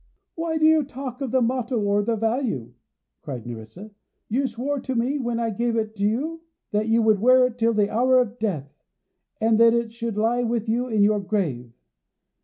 "Why do you talk of the motto or the value?" cried Nerissa. "You swore to me when I gave it you that you would wear it till the hour of death, and that it should lie with you in your grave.